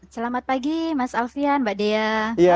selamat pagi mas alfian mbak dea